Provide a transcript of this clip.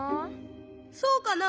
そうかな？